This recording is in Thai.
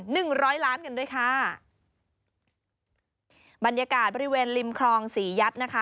หนึ่งร้อยล้านกันด้วยค่ะบรรยากาศบริเวณริมคลองศรียัดนะคะ